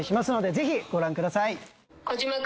ぜひご覧ください。